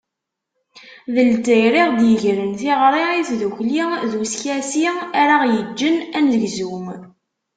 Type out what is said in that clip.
D lezzayer i ɣ-d-yegren tiɣri i tdukli d uskasi ara ɣ-yeǧǧen ad negzu.